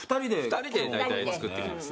２人で大体作っていきますね。